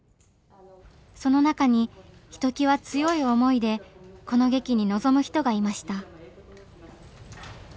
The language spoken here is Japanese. その中にひときわ強い思いでこの劇に臨む人がいました。